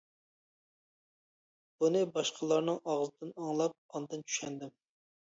بۇنى باشقىلارنىڭ ئاغزىدىن ئاڭلاپ ئاندىن چۈشەندىم.